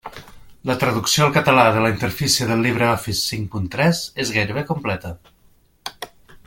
La traducció al català de la interfície del LibreOffice cinc punt tres és gairebé completa.